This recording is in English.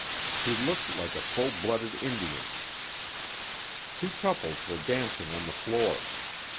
He looked like a full blooded Indian. Two couples were dancing on the floor.